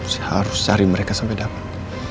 saya harus cari mereka sampe dapet